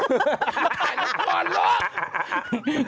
ตายแล้วควรล้อม